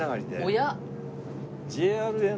おや？